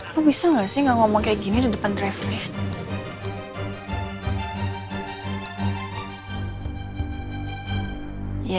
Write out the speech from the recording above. lo bisa gak sih gak ngomong kayak gini di depan drivernya